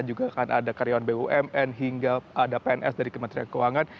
juga akan ada karyawan bumn hingga ada pns dari kementerian keuangan